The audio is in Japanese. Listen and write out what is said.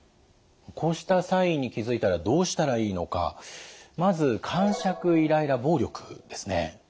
こうしたサインに気付いたらどうしたらいいのかまずかんしゃくイライラ暴力ですね。